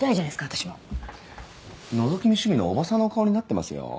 私ものぞき見趣味のおばさんの顔になってますよ